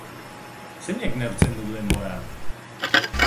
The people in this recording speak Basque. Zeinek neurtzen du denbora?